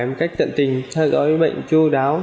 một cách tận tình theo dõi bệnh chú đáo